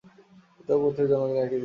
পিতা ও পুত্রের জন্মদিন একই দিনে।